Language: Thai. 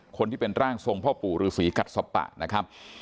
คนที่เป็นร่างทรงพ่อปู่ฤษีกัดสปะนะครับ